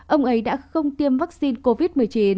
ông ấy đã không tiêm vaccine covid một mươi chín